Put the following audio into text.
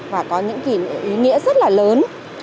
và có những ý nghĩa rất là lớn